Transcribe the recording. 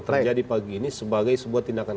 terjadi pagi ini sebagai sebuah tindakan